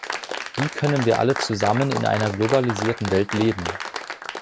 Wie können wir alle zusammen in einer globalisierten Welt leben?